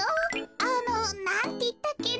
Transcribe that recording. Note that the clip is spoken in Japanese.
あのなんていったっけね。